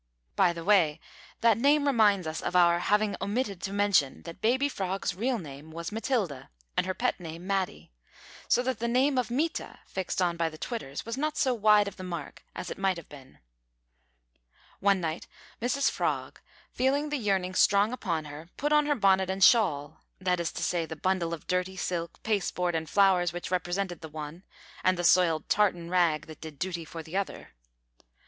By the way, that name reminds us of our having omitted to mention that baby Frog's real name was Matilda, and her pet name Matty, so that the name of Mita, fixed on by the Twitters, was not so wide of the mark as it might have been. One night Mrs Frog, feeling the yearning strong upon her, put on her bonnet and shawl that is to say, the bundle of dirty silk, pasteboard, and flowers which represented the one, and the soiled tartan rag that did duty for the other.